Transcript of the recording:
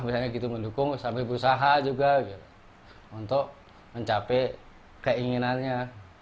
misalnya gitu mendukung sampai berusaha juga untuk mencapai keinginannya